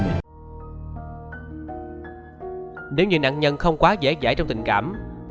nếu như nạn nhân không quá dễ dãi trong tình cảm